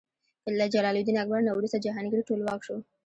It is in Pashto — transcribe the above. له جلال الدین اکبر نه وروسته جهانګیر ټولواک شو.